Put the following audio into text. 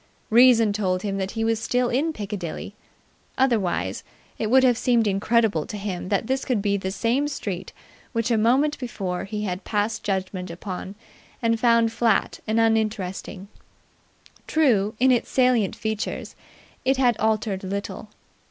Reason told him that he was still in Piccadilly. Otherwise it would have seemed incredible to him that this could be the same street which a moment before he had passed judgment upon and found flat and uninteresting. True, in its salient features it had altered little.